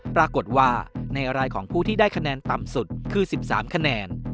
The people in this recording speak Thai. ปรากฏว่าในรายของผู้ที่ได้คะแนนต่ำสุดคือ๑๓คะแนน